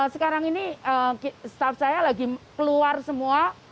sekarang ini staff saya lagi keluar semua